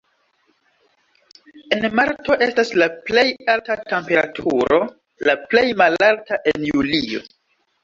En marto estas la plej alta temperaturo, la plej malalta en julio.